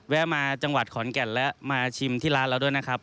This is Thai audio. แวะมาจังหวัดขอนแก่นและมาชิมที่ร้านเราด้วยนะครับ